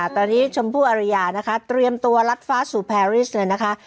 ตอนนี้ชมพู่อริยานะคะเตรียมตัวลัดฟ้าสู่แพรริสเลยนะคะ